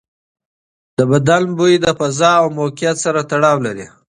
د بدن بوی د فضا او موقعیت سره تړاو لري.